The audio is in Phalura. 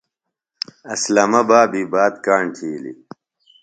اسلمہ بابی بات کاݨ تِھیلیۡ۔